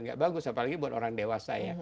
nggak bagus apalagi buat orang dewasa ya